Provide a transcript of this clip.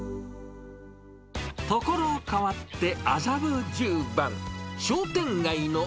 ところ変わって、麻布十番。